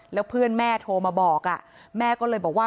แล้วเพื่อนแม่โทรมาบอกแม่ก็เลยบอกว่า